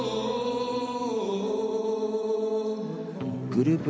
グループ